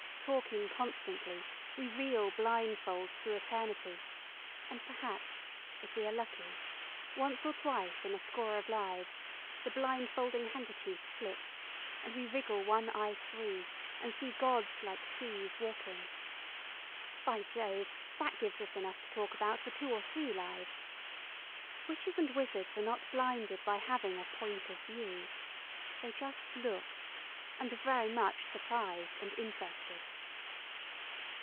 Talking constantly, we reel blindfold through eternity, and perhaps if we are lucky, once or twice in a score of lives, the blindfolding handkerchief slips, and we wriggle one eye free, and see gods like trees walking. By Jove, that gives us enough to talk about for two or three lives! Witches and wizards are not blinded by having a Point of View. They just look, and are very much surprised and interested.